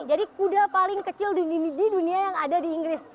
jadi kuda paling kecil di dunia yang ada di inggris